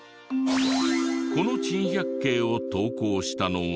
この珍百景を投稿したのは。